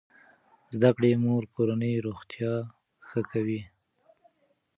زده کړې مور کورنۍ روغتیا ښه کوي.